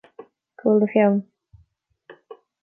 Cá bhfuil do pheann